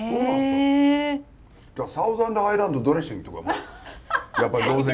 サウザンドアイランドドレッシングとかもやっぱりロゼ？